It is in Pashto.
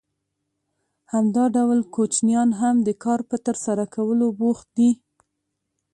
همدا ډول کوچنیان هم د کار په ترسره کولو بوخت دي